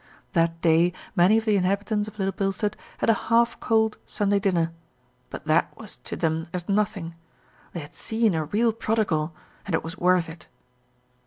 That day many of the inhabitants of Little Bilstead had a half cold Sunday dinner; but that was to them as nothing they had seen a real prodigal, and it was worth it.